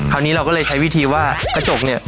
คราวนี้เราก็เลยใช้วิธีว่ากระจกเนี่ย